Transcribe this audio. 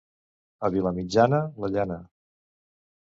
A Vilamitjana, la llana.